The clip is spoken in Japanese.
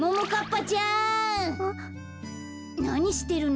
なにしてるの？